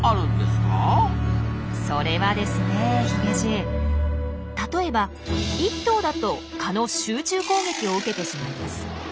それはですねヒゲじい例えば１頭だと蚊の集中攻撃を受けてしまいます。